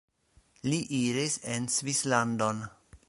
Li iris en Svislandon.